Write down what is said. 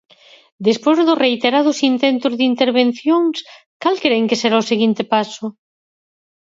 Despois dos reiterados intentos de intervencións, cal cren que será o seguinte paso?